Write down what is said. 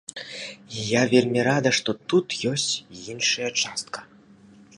І я вельмі рада, што тут ёсць і іншая частка.